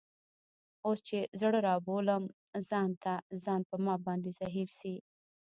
اوس چي زړه رابولم ځان ته ، ځان په ما باندي زهیر سي